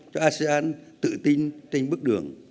cho asean tự tin trên bước đường